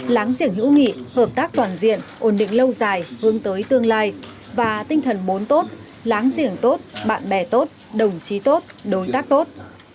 lãng diện hữu nghị hợp tác toàn diện ổn định lâu dài hướng tới tương lai và tinh thần bốn tốt lãng diện tốt bạn bè tốt đồng chí tốt đối tác tốt